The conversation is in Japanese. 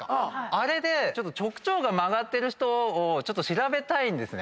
あれで直腸が曲がってる人を調べたいんですね。